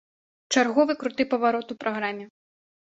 Чарговы круты паварот у праграме.